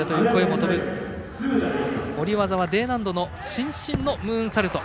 下り技はＤ難度の伸身のムーンサルト。